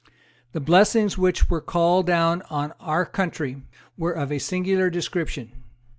The blessings which were called down on our country were of a singular description.